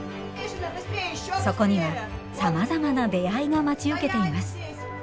そこにもさまざまな出会いが待ち受けています。